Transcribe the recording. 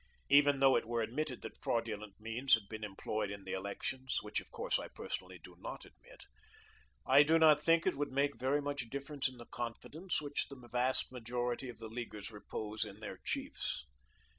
Even though it were admitted that fraudulent means had been employed in the elections, which, of course, I personally do not admit, I do not think it would make very much difference in the confidence which the vast majority of the Leaguers repose in their chiefs.